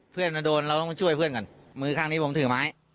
เพื่อนมาโดนเราต้องมาช่วยเพื่อนกันมือข้างนี้ผมถือไม้